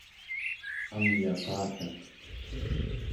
angyaqatak